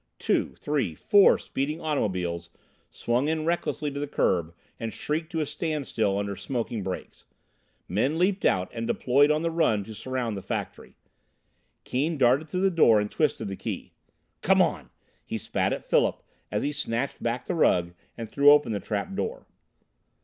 Two three four speeding automobiles swung in recklessly to the curb and shrieked to a standstill under smoking brakes. Men leaped out and deployed on the run to surround the factory. Keane darted to the door and twisted the key. "Come on!" he spat at Philip as he snatched back the rug and threw open the trap door.